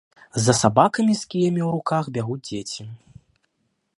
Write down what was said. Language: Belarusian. За сабакамі з кіямі ў руках бягуць дзеці.